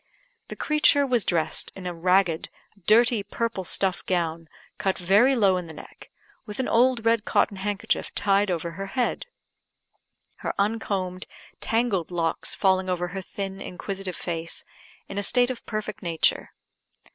The creature was dressed in a ragged, dirty purple stuff gown, cut very low in the neck, with an old red cotton handkerchief tied over her head; her uncombed, tangled locks falling over her thin, inquisitive face, in a state of perfect nature.